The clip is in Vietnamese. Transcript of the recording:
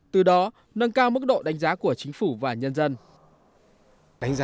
từ đó nâng cao mức độ đánh giá của chính phủ và nhân dân